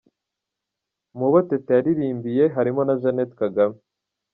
Mu bo Teta yaririmbiye harimo na Jeanette Kagame.